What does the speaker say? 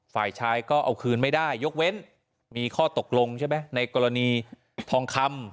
ฝ่ายชายก็เอาคืนไม่ได้ยกเว้นมีข้อตกลงใช่ไหมในกรณีทองคำ